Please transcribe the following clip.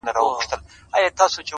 • تعویذونه به ور ولیکم پرېمانه ,